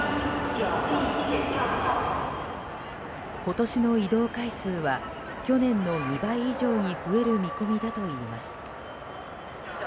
今年の移動回数は去年の２倍以上に増える見込みだといいます。